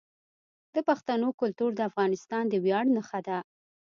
د پښتنو کلتور د افغانستان د ویاړ نښه ده.